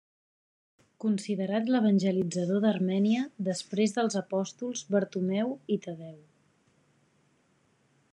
Considerat l'evangelitzador d'Armènia, després dels apòstols Bartomeu i Tadeu.